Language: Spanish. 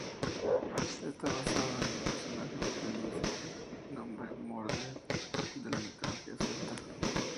Esta basado en personaje del mismo nombre Mordred de la mitología celta.